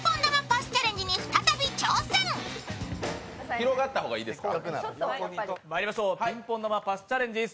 広がった方がいいですか。